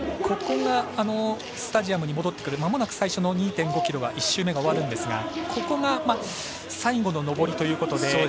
ここがスタジアムに戻ってくるまもなく最初の２．５ｋｍ１周が終わるんですがここが、最後の上りということで。